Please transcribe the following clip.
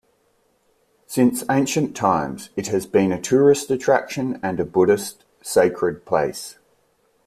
Since ancient times, it has been a tourist attraction and a Buddhist sacred place.